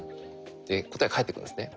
で答えが返ってくるんですね。